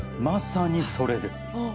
まさにそれです。